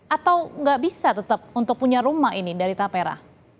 atau nggak bisa tetap untuk punya rumah ini dari tapera